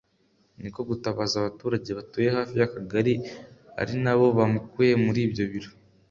niko gutabaza abaturage batuye hafi y’akagari ari nabo bamukuye muri ibyo biro